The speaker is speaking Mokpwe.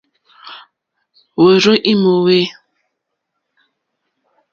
Wôrzô í mòwê.